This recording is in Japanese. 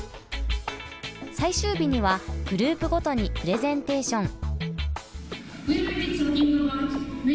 最終日にはグループごとにプレゼンテーション。